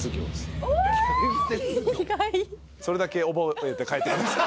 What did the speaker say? それだけ覚えて帰ってください。